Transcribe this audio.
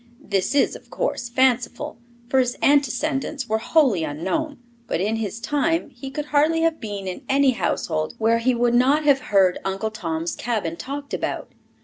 This is, of course, fanciful, for his antecedents were wholly unknown, but in his time he could hardly have been in any household where he would not have heard Uncle Tom's Cabin talked about.